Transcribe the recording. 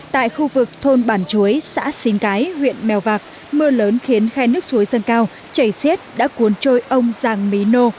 tại khu vực thôn bản chuối xã xín cái huyện mèo vạc mưa lớn khiến khe nước suối dâng cao chảy xét đã cuốn trôi ông giang mỹ nô